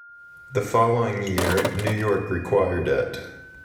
The following year, New York required it.